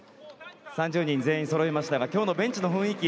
３０人全員そろいましたが今日のベンチの雰囲気